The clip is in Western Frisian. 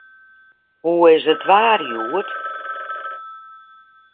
Hoe is it waar hjoed?